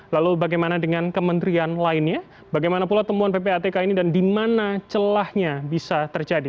lalu bagaimana dengan kementerian lainnya bagaimana pula temuan ppatk ini dan di mana celahnya bisa terjadi